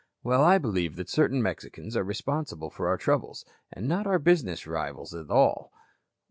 "Well, I believe that certain Mexicans are responsible for our troubles, and not our business rivals, at all."